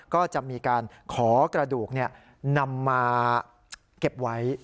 ก็จะมีการขอกระดูกนำมาเก็บไว้